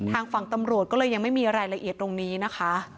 ทางฝั่งตำรวจก็เลยยังไม่มีรายละเอียดตรงนี้นะคะ